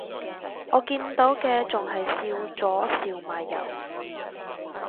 我見到嘅仲係笑咗笑埋右